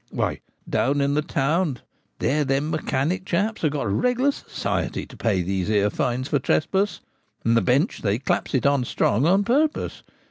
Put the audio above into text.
Why, down in the town there them mechanic chaps have got a regular society to pay these here fines for trespass, and the bench they claps it on strong on purpose.